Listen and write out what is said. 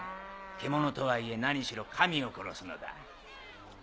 獣とはいえ何しろ神を殺すのだ。